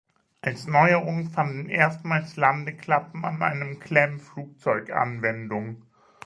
Als Neuerung fanden erstmals Landeklappen an einem Klemm-Flugzeug Anwendung.